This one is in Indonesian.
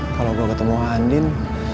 kalo gua ketemu andin